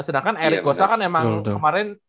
sedangkan eric gosal kan emang kemarin